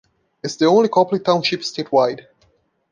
It is the only Copley Township statewide.